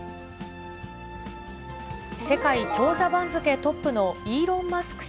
世界長者番付トップのイーロン・マスク